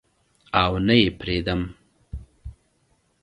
او نه یې پریدم